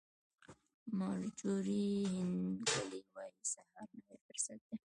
مارجوري هینکلي وایي سهار نوی فرصت دی.